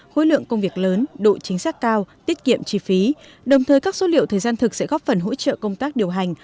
khối lượng công việc lớn độ chính xác cao tiết kiệm chi phí đồng thời các số liệu thời gian thực sẽ góp phần hỗ trợ công tác điều hành